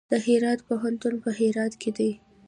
د هرات پوهنتون په هرات کې دی